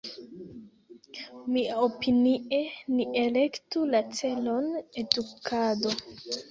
Mia-opinie ni elektu la celon edukado.